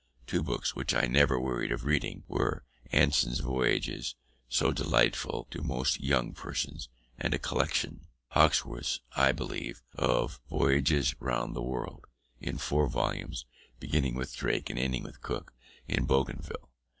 Two books which I never wearied of reading were Anson's Voyages, so delightful to most young persons, and a collection (Hawkesworth's, I believe) of Voyages round the World, in four volumes, beginning with Drake and ending with Cook and Bougainville.